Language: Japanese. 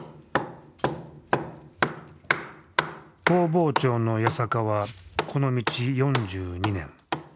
工房長の八坂はこの道４２年。